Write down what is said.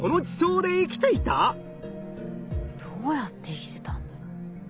どうやって生きてたんだろう？